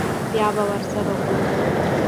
بيا به ور سره ګورو.